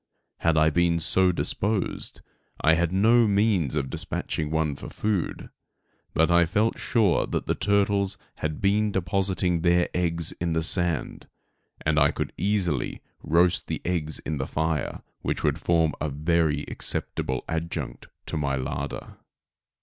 Had I been so disposed I had no means of dispatching one for food, but I felt sure that the turtles had been depositing their eggs in the sand, and I could easily roast the eggs in the fire, which would form a very acceptable adjunct to my larder.